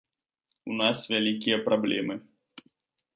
У нас вялікія праблемы.